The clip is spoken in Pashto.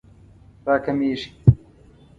راکمېږي